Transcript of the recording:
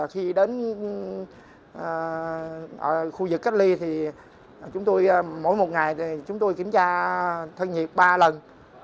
khi đến khu dịch cách ly thì chúng tôi mỗi một ngày thì chúng tôi kiểm tra thân nhật ba lần